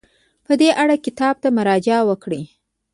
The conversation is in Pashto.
په دې اړه کتاب ته مراجعه وکړئ.